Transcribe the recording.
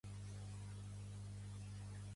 Pertany al moviment independentista l'Anna?